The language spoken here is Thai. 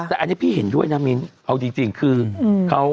แต่อันนี้พี่เห็นด้วยนะมิ้นเอาจริงคือเขา